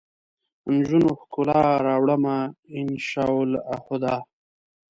نجونو ؛ ښکلا راوړمه ، ان شا اللهدا